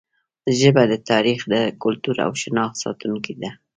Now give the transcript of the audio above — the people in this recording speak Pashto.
ژبه د تاریخ، کلتور او شناخت ساتونکې ده.